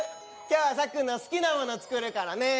今日はサッくんの好きなもの作るからね